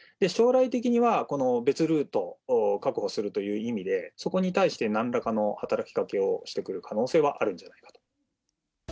将来的には、この別ルートを確保するという意味で、そこに対してなんらかの働きかけをしてくる可能性はあるんじゃないかと。